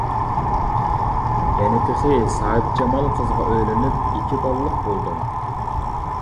يەنە تېخى ساھىبجامال قىزغا ئۆيلىنىپ ئىككى بالىلىق بولدۇم.